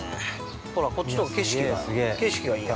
ほらっ、こっちのほうが景色がいいや。